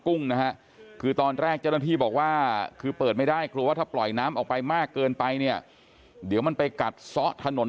คล้องของหมดแล้วบ้านมิดหมดเลยปีนี้หนักกับเก่าเลย